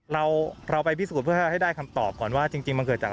เราไปพิสูจน์เพื่อให้ได้คำตอบก่อนว่าจริงมันเกิดจากอะไร